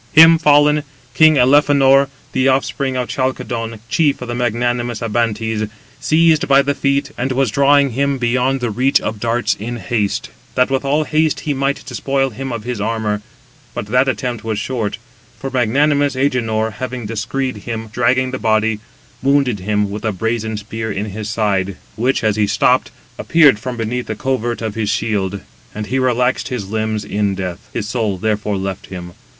Him fallen, king Elephenor, the offspring of Chalcodon, chief of the magnanimous Abantes, seized by the feet, and was drawing him beyond the reach of darts in haste, that with all haste he might despoil him of his armour: but that attempt was short; for magnanimous Agenor having descried him dragging the body, wounded him with a brazen spear in the side, which, as he stooped, appeared from beneath the covert of his shield, and he relaxed his limbs [in death]. His soul therefore left him.